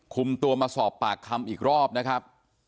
คุมตัวมาสอบปากคำอีกรอบนะครับ